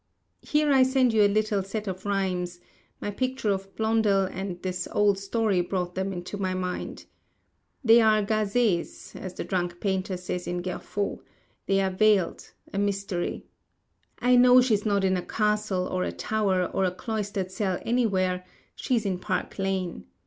Here I send you a little set of rhymes; my picture of Blondel and this old story brought them into my mind. They are gazés, as the drunk painter says in "Gerfaut;" they are veiled, a mystery. I know she's not in a castle or a tower or a cloistered cell anywhere; she is in Park Lane.